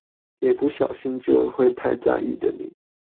給不小心就會太在意的你